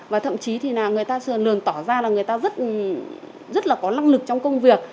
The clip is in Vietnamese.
và thậm chí thì người ta lường tỏ ra là người ta rất là có năng lực trong công việc